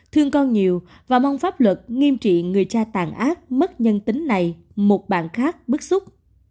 thương con nhiều và mong pháp luật nghiêm trị người cha tàn ác mất nhân tính này một bạn khác bức xúc